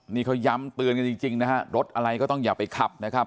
นี่เขาย้ำเตือนกันจริงนะฮะรถอะไรก็ต้องอย่าไปขับนะครับ